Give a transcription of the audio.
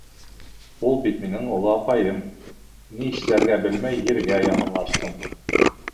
Ул бит минең оло апайым, ни эшләргә белмәй Ергә яҡынлаштым.